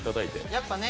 やっぱね。